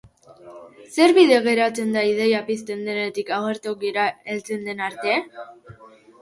Zer bide garatzen da ideia pizten denetik agertokira heltzen den arte?